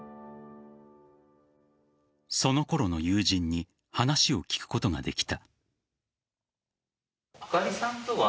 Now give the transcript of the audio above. そのころの友人に話を聞くことができた。